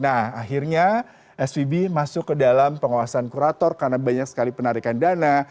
nah akhirnya svb masuk ke dalam pengawasan kurator karena banyak sekali penarikan dana